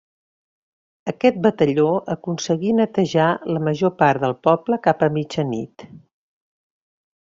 Aquest batalló aconseguí netejar la major part del poble cap a mitjanit.